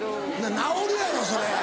直るやろそれ！